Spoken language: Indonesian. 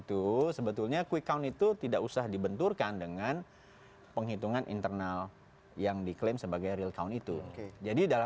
terima kasih pak bung kondi